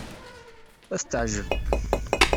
Ad t-teɛjeb.